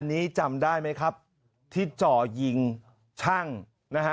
อันนี้จำได้ไหมครับที่จ่อยิงช่างนะฮะ